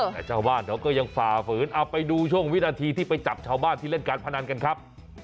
แต่ชาวบ้านเขาก็ยังฝ่าฝืนเอาไปดูช่วงวินาทีที่ไปจับชาวบ้านที่เล่นการพนันกันครับ